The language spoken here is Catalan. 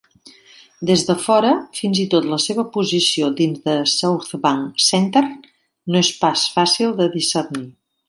Des de fora, fins i tot la seva posició dins de Southbank Centre no és fàcil de discernir.